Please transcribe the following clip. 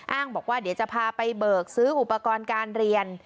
บอกว่าเดี๋ยวจะพาไปเบิกซื้ออุปกรณ์การเรียน